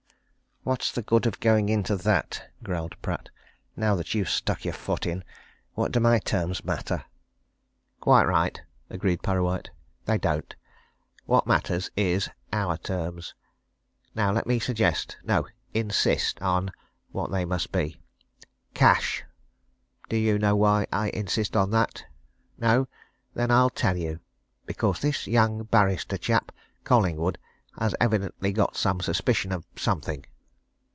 "What's the good of going into that?" growled Pratt. "Now that you've stuck your foot in it, what do my terms matter?" "Quite right," agreed Parrawhite, "They don't. What matter is our terms. Now let me suggest no, insist on what they must be. Cash! Do you know why I insist on that? No? Then I'll tell you. Because this young barrister chap, Collingwood, has evidently got some suspicion of something."